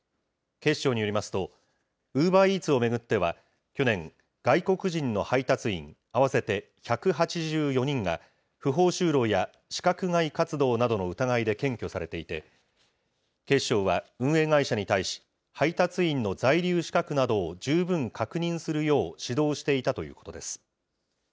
警視庁によりますと、ウーバーイーツを巡っては、去年、外国人の配達員、合わせて１８４人が、不法就労や資格外活動などの疑いで検挙されていて、警視庁は運営会社に対し、配達員の在留資格などを十分確認するよう指導していたということです。